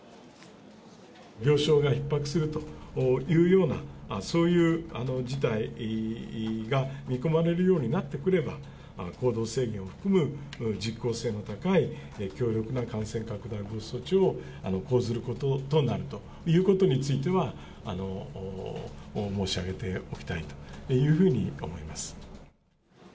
病床がひっ迫するというような、そういう事態が見込まれるようになってくれば、行動制限を含む実効性の高い、強力な感染拡大防止措置を講ずることとなるということについては、申し上げておきたいというふうに思います。